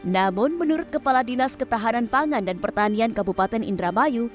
namun menurut kepala dinas ketahanan pangan dan pertanian kabupaten indramayu